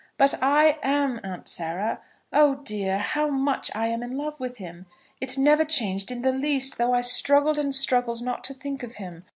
"But I am, Aunt Sarah. Oh dear, how much I am in love with him! It never changed in the least, though I struggled, and struggled not to think of him.